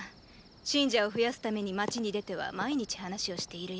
信者を増やすために街に出ては毎日話をしているよ。